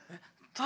誰？